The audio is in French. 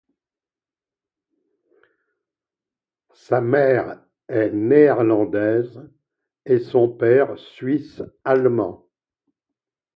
Sa mère est néerlandaise et son père suisse allemand.